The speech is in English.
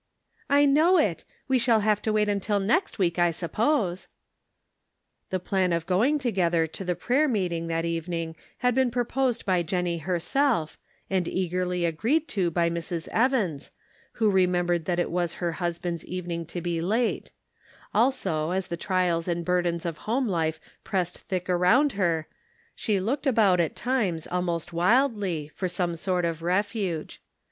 " I know it ; we shall have to wait until next week, I suppose." The plan of going together to the prayer meeting that evening had been proposed by Jennie herself, and eagerly agreed to by Mrs. Evans, who remembered that it was her hus band's evening to be late ; also as the trials and burdens of home life pressed thick around her, she looked about at times almost wildly, for some sort of refuge.